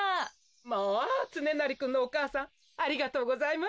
・まあつねなりくんのお母さんありがとうございます。